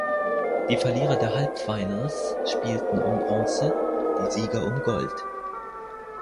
Die Verlierer der Halbfinals spielten um Bronze, die Sieger um Gold.